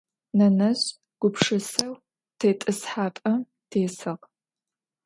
Nenezj gupşşıseu têt'ıshap'em têsığ.